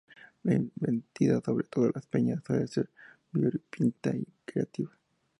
La inventiva, sobre todo de las peñas, suele ser variopinta y creativa.